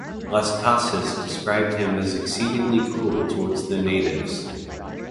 Las Casas described him as exceedingly cruel towards the natives.